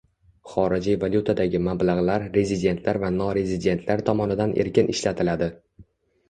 Xorijiy valyutadagi mablag'lar rezidentlar va norezidentlar tomonidan erkin ishlatiladi